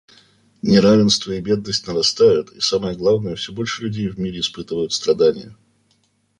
Неравенство и бедность нарастают, и, самое главное, все больше людей в мире испытывают страдания.